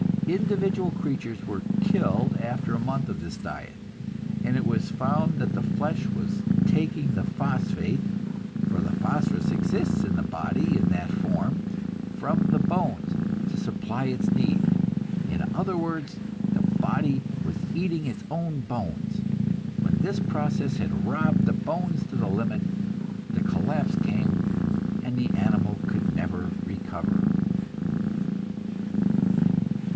Individual creatures were killed after a month of this diet, and it was found that the flesh was taking the phosphate for the phosphorus exists in the body in that form from the bones to supply its need. In other words, the body was eating its own bones! When this process had robbed the bones to the limit, the collapse came, and the animal could never recover."